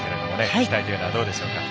期待というのはどうでしょうか。